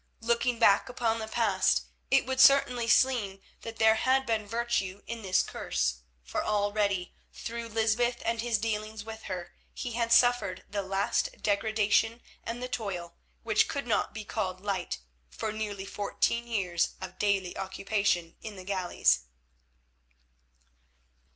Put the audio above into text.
Looking back upon the past it would certainly seem that there had been virtue in this curse, for already through Lysbeth and his dealings with her, he had suffered the last degradation and the toil, which could not be called light, of nearly fourteen years of daily occupation in the galleys.